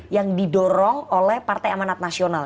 yang didorong oleh partai amanat nasional